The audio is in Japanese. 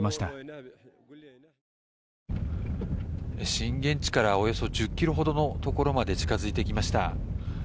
震源地からおよそ１０ｋｍほどのところまで近づいてきました。